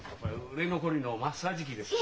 売れ残りのマッサージ機です。